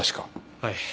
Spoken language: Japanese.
はい。